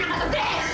anak asok deh